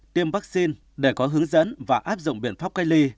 tiêm vaccine để có hướng dẫn và áp dụng biện pháp cách ly